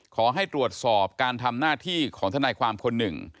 ขอให้ตรวจสอบการทำหน้าที่ของทนายความคนหนึ่ง